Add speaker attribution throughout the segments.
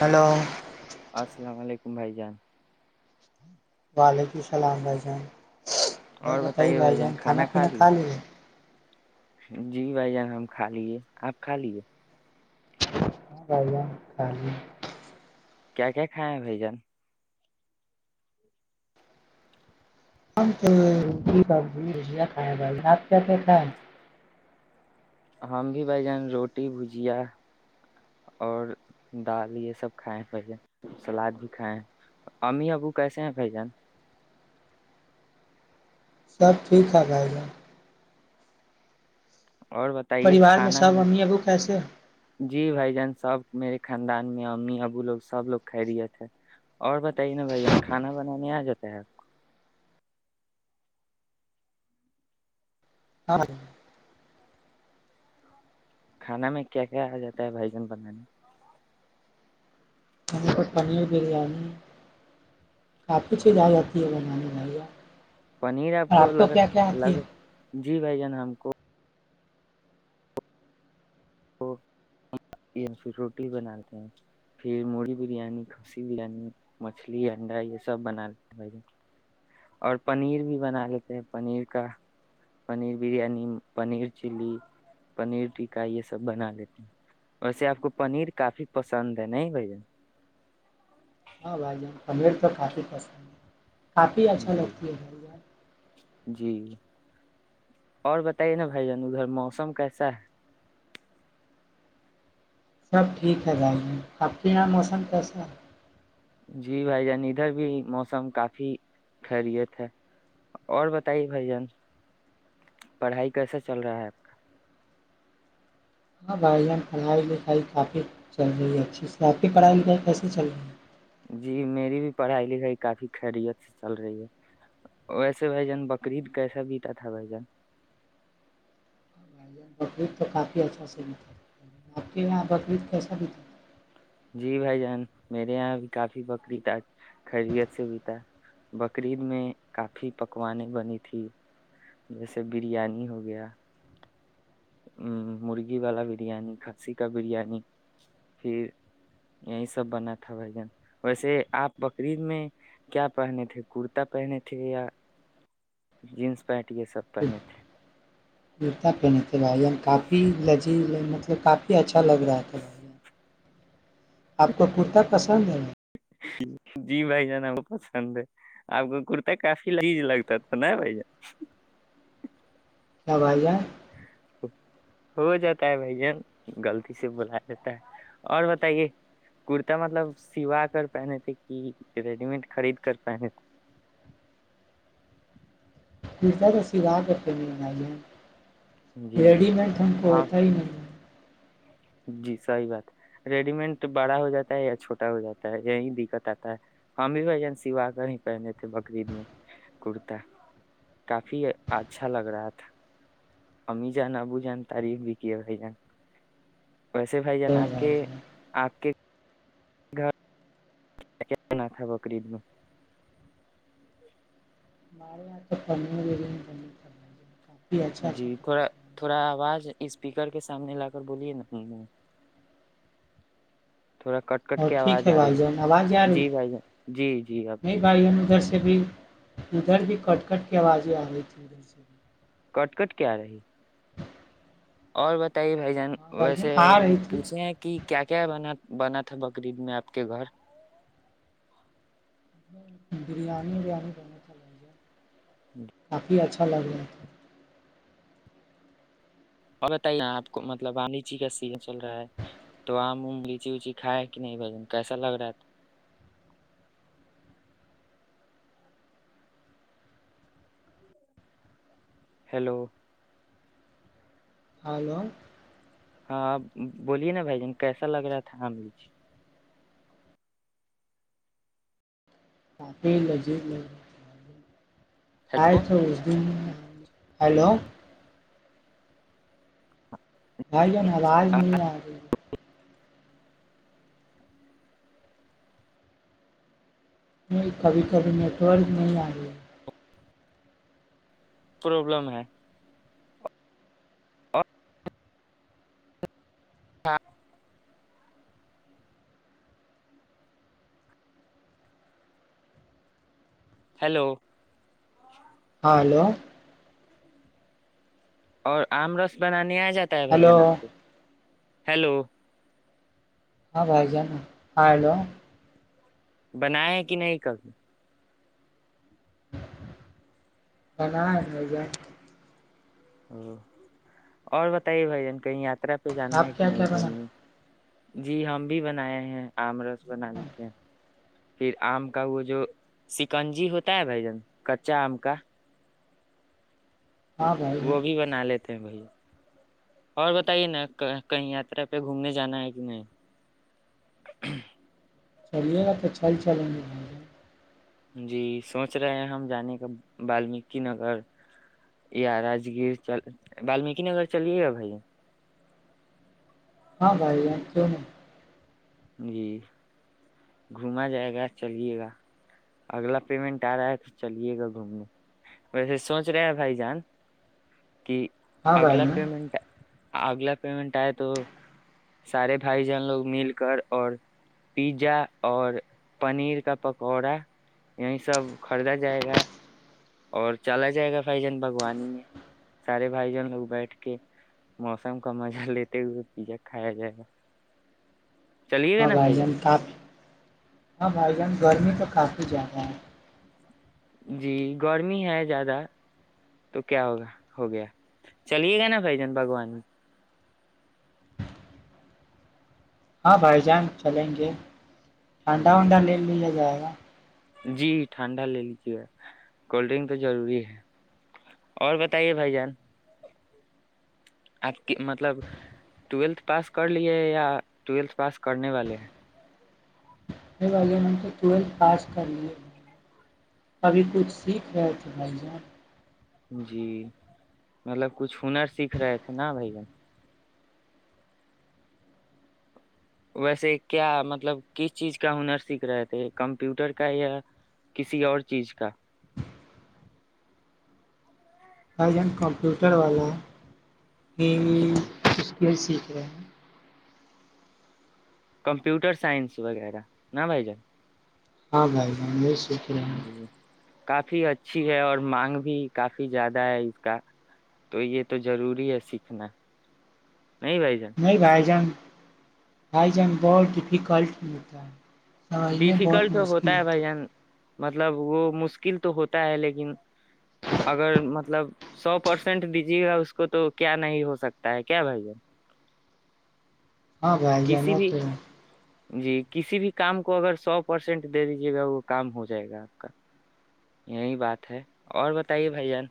Speaker 1: Hello
Speaker 2: السلام علیکم بھائی جان
Speaker 1: وعلیکم السلام ریضان بس
Speaker 2: اور
Speaker 1: بتائی
Speaker 2: بتائیے
Speaker 1: بائی
Speaker 2: بھائی جان
Speaker 1: جین کانا
Speaker 2: کھانا کھا
Speaker 1: پینا کا لی
Speaker 2: لیے
Speaker 1: لے
Speaker 2: جی بھائی جان ہم کھا لیے آپ کھا لیے
Speaker 1: ہاں بائییا کھا گ
Speaker 2: کیا کیا کھائے ہے بھائی جان
Speaker 1: تو روٹی ببزی بزیا کھیں بھائی آپ کیا کیا کھائیں
Speaker 2: ہم بھی بھائی جان روٹی بھجیا اور دال یہ سب کھائے بھائی ج سلاد بھی کھائے ہیں امی ابو کیسے ہیں بھائی جان
Speaker 1: سب ٹھیک ٹھاک بھ جان
Speaker 2: اور بتائیے
Speaker 1: پریوار
Speaker 2: کھانا
Speaker 1: سب
Speaker 2: میں
Speaker 1: امی ابو کیسے ہیں؟
Speaker 2: جی بھائی جان سب میرے خاندان میں امی ابو لوگ سب لوگ کھہ دیے تھے اور بتائیے نا بھ جن کھانا بنانے آ جاتا ہے آپ
Speaker 1: ہاں
Speaker 2: کھانا میں کیا کیا آ جاتا ہے بھائیجن بنانے
Speaker 1: کند پ پنیر بریانی کافی چیز
Speaker 2: جی
Speaker 1: آ جاتی ہے وہ بانے [inaudible]
Speaker 2: پنیر آپ کو الگ الگ جی بھائی جان ہم کو کو پھر روٹی بنا لیتے ہیں پھر موی بریانی کھسی بریانی مچھلی انڈا یہ سب بنا لیتے ہیں بھائی اور پنیر بھی بنا لیتے ہیں پنیر کا پنیر بریانی پنیر چلی پنیر ٹکا یہ سب بنا لیتے ہیں ویسے آپ کو پنیر کافی پسند ہے نہیں بھائی
Speaker 1: ہاں بھائی جان پمیر تو کافی پسند ہے کافی اچھا
Speaker 2: جی
Speaker 1: لگتی ہے بھار
Speaker 2: جی اور بتائیے نا بھائی جان ادھر موسم کیسا ہے
Speaker 1: سب ٹھیک ہے بائی آپ کے یہاں موسم کیسا ہے
Speaker 2: جی بھائی جان ادھر بھی موسم کافی خیریت ہے اور بتائیے بھائی جان پڑھائی کیسا چل رہا ہے آپ کا
Speaker 1: ہاں بھائی ہم پڑھائی لکھائی کافی چل رہی ہے اچھی سے آپ کی پڑھائی لکھائی کیسے چل رہی ہے
Speaker 2: جی میری بھی پڑھائی لکھائی کافی خیریت سے چل رہی ہے ویسے بھائی جان بقرریید کیسا بیتا تھا بھائی جان
Speaker 1: بھائی جان بقرعید تو کافی اچھا سے بتا آپ کے یہاں بدریت کیسا بتا
Speaker 2: جی بھائی جان میرے یہاں بھی کافی بکریید خیریت سے بھی تھا بقرریید میں کافی پکوان بنی تھی جیسے بریانی ہو گیا ا مرغی والا بریانی کھنسی کا بریانی پھر یہی سب بنا تھا بھجن ویسے آپ بکریید میں کیا پہنے تھے کرتا پہنے تھے یا جینس پینٹ یہ سب پہنے تھے
Speaker 1: جوتا پہنے چلا کافی لگ جی مطلب کافی اچھا لگ رہا تھا بھ آپ کو کرتا پسند ہے
Speaker 2: جی بھائی جانا وہ پسند ہے آپ کو کرتا کافی لحج لگتا تھا نا بھائی جان
Speaker 1: کیا بائی جائے
Speaker 2: ہو جاتا ہے بھائی جن غلط سے بلا جاتا ہے اور بتائیے کرتا مطلب سوا کر پہنے تھے کہ ریڈی مڈ خرید کر پہنے تھے
Speaker 1: کفا تو س راہ کرتے نہیں
Speaker 2: تھے جی
Speaker 1: ریڈیمڈ ن کو
Speaker 2: ہاں
Speaker 1: ہوتائی نہیں
Speaker 2: جی سحی بات ریڈی مٹ بڑا ہو جاتا ہے یا چھوٹا ہو جاتا ہے یہی دقت آتا ہے ہم بھی بھائی جان سوا کر ہی پہنے تھے بکرریید میں کرتا کافی اچھا لگ رہا تھا امی جان ابو جان تعریف بھی کیے بھائی جان ویسے بھائی
Speaker 1: او
Speaker 2: جان آپ کے
Speaker 1: جان
Speaker 2: آپ کے گھر میں کیا بنا تھا بقریید میں
Speaker 1: [inaudible] [inaudible]
Speaker 2: جی
Speaker 1: کپڑا
Speaker 2: تھوڑا تھوڑا آواز اسپیکر کے سامنے لا کر بولیے نا تھوڑا کٹ کٹ
Speaker 1: اور
Speaker 2: کے
Speaker 1: ٹھیک
Speaker 2: آواز
Speaker 1: ہے
Speaker 2: آ
Speaker 1: بھائی
Speaker 2: رہی
Speaker 1: جان آواز آ
Speaker 2: ہے
Speaker 1: رہی
Speaker 2: جی بھائی جان جی جی اب
Speaker 1: نہیں
Speaker 2: ٹھیک
Speaker 1: بھائی جان ادھر سے بھی ادھر بھی کٹ کٹ کی آوازیں آ رہی ادھر سے بھی
Speaker 2: کٹ کٹ کیا رہی اور بھائی جان
Speaker 1: ہاں بھائی
Speaker 2: ویسے
Speaker 1: جان آ رہی تھی
Speaker 2: پوچھے ہیں کہ کیا کیا بناات بنا تھا بقرریید میں آپ کے گھر
Speaker 1: بریانی وریانی ب اھ ہے آپی اچ کھلا جتا
Speaker 2: اور بتائیے آپ کو مطلب عالیچی کا سیزن چل رہا ہے تو آم ام لیچی وچی کھائے کہ نہیں بھجن کیسا لگ رہا تھا ہیلو
Speaker 1: ہلو
Speaker 2: ہاں بولیے نا بھائی جان کیسا لگ رہا تھا
Speaker 1: کافی نجیب نہیں آئے
Speaker 2: ہیلو
Speaker 1: تو اس دن
Speaker 2: جی
Speaker 1: ہلو بھائی جان آواز نہیں آ رہی ہے نہیں کبھی کبھی نیٹ ورک نہیں آ گیا ہے
Speaker 2: پروبلم ہے اور ہاں ہیلو
Speaker 1: ہالو
Speaker 2: اور آم رس بنانے آئے جاتا ہے بھائی
Speaker 1: ہلو
Speaker 2: جان آپ کو ہیلو
Speaker 1: ہاں بھائی جانا ہاں ہیلو
Speaker 2: بنایا کہ نہیں کب
Speaker 1: بنا ہے بھیا
Speaker 2: اور بتائیے بھائی جن کہیں آ ترا پہ جانا ہے
Speaker 1: آپ
Speaker 2: کہ
Speaker 1: کیا
Speaker 2: نہیں
Speaker 1: کیا بنا
Speaker 2: گھومنے جی ہم بھی بنائے ہیں آم رس بنا لیتے ہیں پھر آم کا وہ جو سکنجی ہوتا ہے بھائی جان کچا آم کا
Speaker 1: ہاں بھائی
Speaker 2: وہ
Speaker 1: جان
Speaker 2: بھی بنا لیتے بھ اور بتائیے نا کہیں یاترا پہ گھومنے جانا ہے کہ نہیں
Speaker 1: چلیے گا تو اچھا ہی چل
Speaker 2: جی سوچ رہے ہیں ہم جانے کا بمیک نگر یا راجگیر بمیک نگر چلیے گا بھائی
Speaker 1: ہاں بھائی یہاں کیوں نہیں
Speaker 2: جی گھما جائے گا چلیے گا اگلا پیمنٹ آ رہا ہے تو چلیے گا گھومنے ویسے سوچ رہے ہیں بھائی جان کہ
Speaker 1: ہاں بھائی
Speaker 2: اگلا
Speaker 1: جان
Speaker 2: پیمنٹ ہے اگلا پیمنٹ آئے تو سارے بھائی جان لوگ مل کر اور پیزا اور پنیر کا پکوڑا یہیں سب خریدا جائے گا اور چلا جائے گا بھائی جان باگوانی میں سارے بھائی جان لوگ بیٹھ کے موسم کا مزہ لیتے ہوئے پزا کھایا جائے گا چلیے گا
Speaker 1: ہاں
Speaker 2: نا
Speaker 1: بھائی جان کاف ہاں بھائی جان گرمی کا کافی جگہ ہیں
Speaker 2: جی گرمی ہے زیادہ تو کیا ہوگا ہو گیا چلیے گا نا بھائی جان بھگوان
Speaker 1: ہاں بھائی جان چلیں گے انڈا
Speaker 2: جی
Speaker 1: ونڈا لے لیا جائے گا ہ [unintelligible]
Speaker 2: جی ٹھنڈا لے لیجیے گ کولڈ ڈرنک تو ضروری ہے اور بتائیے بھائی جان آپ مطلب ٹویلھ پاس کر لیے یا ٹویلھ پاس کرنے والے ہیں
Speaker 1: واللین ٹویلھ پاس کر لیے ابھی کچھ سیکھ رہے تھ بھائی جان
Speaker 2: جی مطلب کچھ ہنر سیکھ رہے تھے نا بھائییا ویسے کیا مطلب کس چیز کا ہنر سیکھ رہے تھے کمپیوٹر کا یا کسی اور چیز کا
Speaker 1: آ ج ہم کمپیوٹر والا ہوں
Speaker 2: اچھا
Speaker 1: [unintelligible] ک سیکھ رہے ہیں
Speaker 2: کمپیوٹر سائنس وغیرہ نہ بھائی جان
Speaker 1: ہاں بھائی بھائی یہ سوچ رہے ہیں [unintelligible]
Speaker 2: جی کافی اچھی ہے اور مانگ بھی کافی زیادہ ہے اس کا تو یہ تو ضروری ہے سیکھنا نہیں بھائی جان
Speaker 1: نہیں بھائی جان ہائی جن بہت ڈیفیکلٹ متا ہے [unintelligible] سمجھنے بہت
Speaker 2: ڈیفیکلٹ تو ہوتا
Speaker 1: مشکل
Speaker 2: ہے بھائی جان مطلب وہ مشکل تو ہوتا ہے لیکن اگر مطب مطلب سو پرسینٹ دیجیے گا اس کو تو کیا نہیں ہو سکتا ہے کیا بھائی
Speaker 1: ہاں گائی
Speaker 2: کسی
Speaker 1: جانا
Speaker 2: بھی
Speaker 1: تو [unintelligible]
Speaker 2: جی کسی بھی کام آ کو اگر سو پرسینٹ دے دیجیے گا وہ کام ہو جائے گا آپ کا یہی بات ہے اور بتائیے بھ جان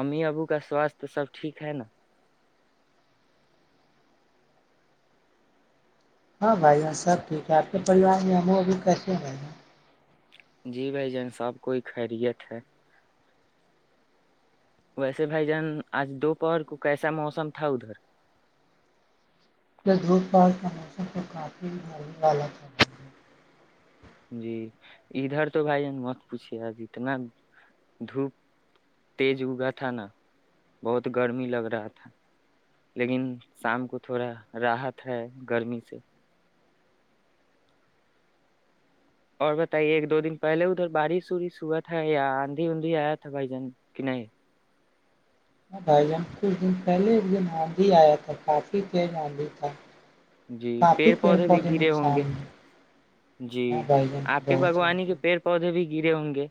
Speaker 2: امی ابو کا سواستھ سب ٹھیک ہے نا
Speaker 1: ہاں بھائی سب ٹھیک ہے آپ کے پریوار میں ہم اب کیس ہیں بھائی
Speaker 2: جی بھائی جان سب کوئی خیریت ہے ویسے بھائی جان آج دوپہر کو کیسا موسم تھا ادھر
Speaker 1: یہ دروت پار کا موسم کو کافی بی والا چل ہے
Speaker 2: جی ادھر تو بھائیین مت پوچھیے آج اتنا دھوپ تیز اگا تھا نا بہت گرمی لگ رہا تھا لیکن شام کو تھوڑا راحت ہے گرمی سے اور بتائیے ایک دو دن پہلے ادھر بارش وورش ہوا تھا یا آندھی اندھی آیا تھا بھائی جان کہ نہیں
Speaker 1: ہ بھائی جان کچھ دن پہلے ایک دن آندھی آیا تھا کافی تیز آندھی تھا
Speaker 2: جی
Speaker 1: کافی
Speaker 2: پیڑ پودے بھی گرے ہوں
Speaker 1: نقصان
Speaker 2: گے
Speaker 1: ہوئے۔
Speaker 2: جی
Speaker 1: ہاں بھائی جان
Speaker 2: آپ کے
Speaker 1: بہت
Speaker 2: باگوانی کے
Speaker 1: سارے
Speaker 2: پیڑ پودے بھی گیرے ہنے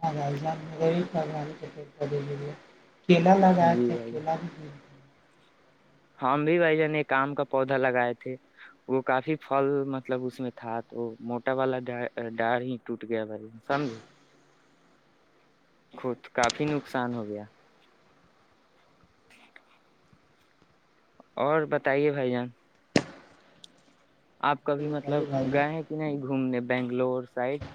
Speaker 1: ہ الان م ہے [unintelligible] کیلا لگا
Speaker 2: جی
Speaker 1: کہ
Speaker 2: بھائی
Speaker 1: کیلا بھی م
Speaker 2: ہم بھی بھ جن ایک آم کا پودا لگائے تھے وہ کافی پھل مطلب اس میں تھا تو موٹا والا ڈار ہی ٹوٹ گیا بھائی ج سمجھے خود کافی نقصان ہو گیا ہ [unintelligible] اور بتائیے بھائی جان آپ
Speaker 1: اور
Speaker 2: کبھی مطلب
Speaker 1: بتائیے بھائی جان
Speaker 2: گئے ہیں کہ نہیں گھومنے بنگلور سائڈ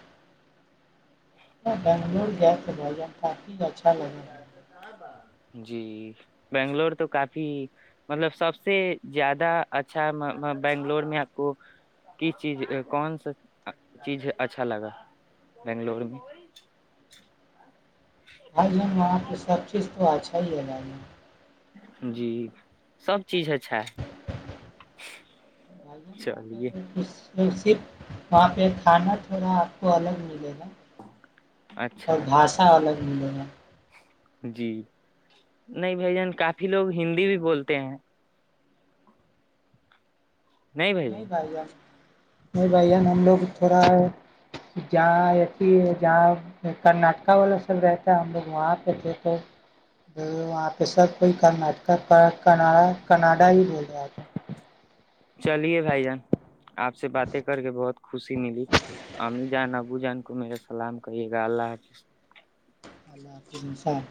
Speaker 1: بنگلور گیس سے با کافی اچھا لگتا ہے
Speaker 2: جی بنگلور تو کافی مطلب سب سے زیادہ اچھا بنگلور میں آپ کو کس چیز کون سا چیز اچھا لگا بنگلور میں
Speaker 1: بھائی ہم وہاں پہ سب چیز تو اچھا اور لام [unintelligible]
Speaker 2: جی سب چیز اچھا ہے
Speaker 1: بھائی ج یہاں
Speaker 2: چلیے
Speaker 1: پہ کچ [unintelligible] تو صرف وہاں پہ کھانا تھوڑا آپ کو الگ ملےا اور
Speaker 2: اچھا
Speaker 1: بھشا الگ [unintelligible] بلہ [unintelligible]
Speaker 2: جی نہیں بھائی جان کافی لوگ ہندی بھی بولتے ہیں
Speaker 1: نہیں بھائی یار نہیں بھائیین ہم لوگ تھوڑا جہاں ای جہاں کرناٹک والا سب رہتا ہم لوگ وہاں پہ تھے تو وہاں پہ سب کوئی کرناٹکناا کناڈا ہی بول رہا تھا
Speaker 2: چلیے بھائی جان آپ سے باتیں کر کے بہت خوشی ملی امی جان ابو جان کو میرا سلام کریے گا اللہ حافظ
Speaker 1: ال حفنس [unintelligible]